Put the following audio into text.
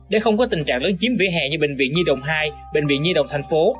để không có tình trạng lớn chiếm vỉa hè như bệnh viện di động hai bệnh viện di động thành phố